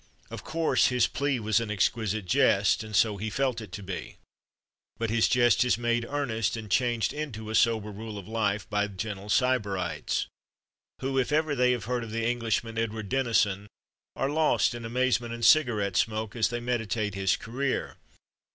Of course, his plea was an exquisite jest, and so he felt it to be. But his jest is made earnest and changed into a sober rule of life by gentle Sybarites, who, if they have ever heard of the Englishman Edward Denison, are lost in amazement and cigarette smoke as they meditate his career.